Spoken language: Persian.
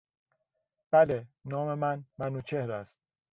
بله، نام من منوچهر است.